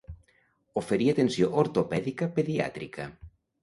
Oferia atenció ortopèdica pediàtrica.